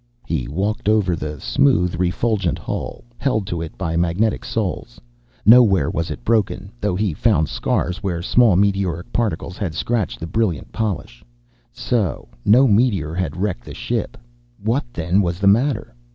He walked over the smooth, refulgent hull, held to it by magnetic soles. Nowhere was it broken, though he found scars where small meteoric particles had scratched the brilliant polish. So no meteor had wrecked the ship. What, then, was the matter?